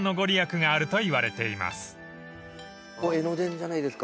江ノ電じゃないですか？